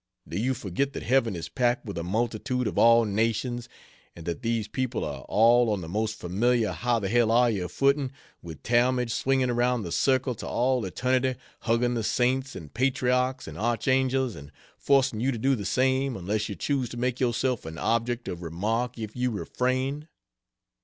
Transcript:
Do you forget that Heaven is packed with a multitude of all nations and that these people are all on the most familiar how the hell are you footing with Talmage swinging around the circle to all eternity hugging the saints and patriarchs and archangels, and forcing you to do the same unless you choose to make yourself an object of remark if you refrain?